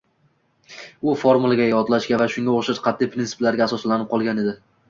U formulaga, yodlashga va shunga oʻxshash qatʼiy prinsiplarga asoslanib qolgan edi.